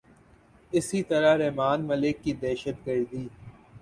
اسی طرح رحمان ملک کی دہشت گردی